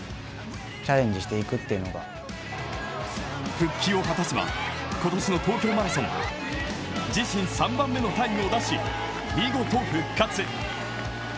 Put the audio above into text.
復帰を果たせば今年の東京マラソン、自身３番目のタイムを出し見事復活。